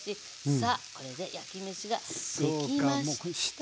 さあこれで焼きめしができました。